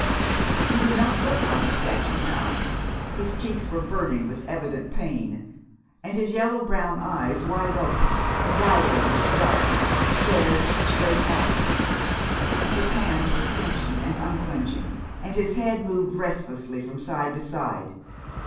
He did not look like a statue now. His cheeks were burning with evident pain, and his yellow brown eyes, wide open, and dilated to darkness, stared straight out. His hands were clenching and unclenching, and his head moved restlessly from side to side.